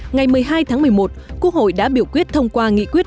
ngày một mươi hai tháng một mươi một quốc hội đã biểu quyết thông qua nghị quyết